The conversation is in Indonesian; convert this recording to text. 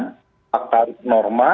tolak tarik norma